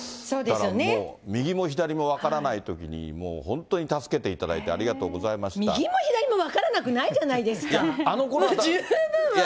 だからもう、右も左も分からないときに、もう本当に助けていただいて、ありが右も左も分からなくないじゃいや、あのころは。